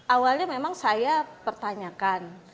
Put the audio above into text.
awalnya memang saya pertanyakan